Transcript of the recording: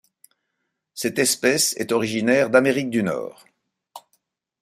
Cette espèce est originaire d'Amérique du Nord.